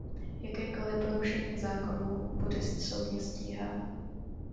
Jakékoli porušení zákonů bude soudně stíháno.